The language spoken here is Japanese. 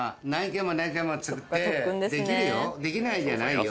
出来ないじゃないよ。